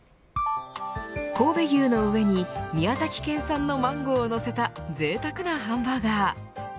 神戸牛の上に宮崎県産のマンゴーをのせたぜいたくなハンバーガー。